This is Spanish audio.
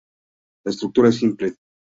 La estructura es simple.